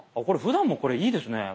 これふだんもこれいいですね。